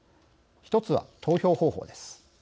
一つは、投票方法です。